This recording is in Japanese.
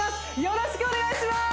よろしくお願いします！